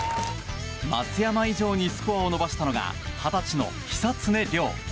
松山以上にスコアを伸ばしたのが二十歳の久常涼。